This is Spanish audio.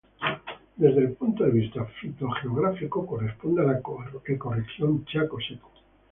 Desde el punto de vista fitogeográfico, corresponde a la ecorregión chaco seco.